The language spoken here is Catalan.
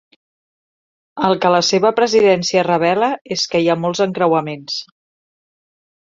El que la seva presidència revela és que hi ha molts encreuaments.